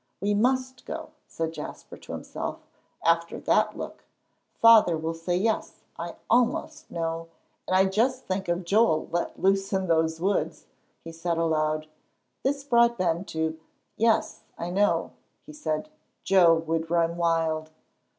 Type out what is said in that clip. "We must go," said Jasper to himself, "after that look. Father will say 'yes,' I almost know. And just think of Joel let loose in those woods," he said aloud. This brought Ben to. "Yes, I know," he said, "Joe would run wild."